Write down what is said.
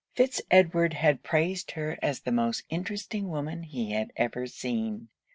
Fitz Edward had praised her as the most interesting woman he had ever seen.